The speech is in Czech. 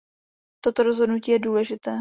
Toto rozhodnutí je důležité.